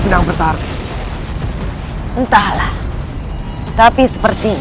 mereka bisa menempati tempat disana